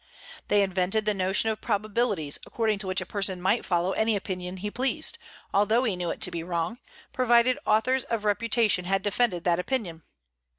They invented the notion of probabilities, according to which a person might follow any opinion he pleased, although he knew it to be wrong, provided authors of reputation had defended that opinion.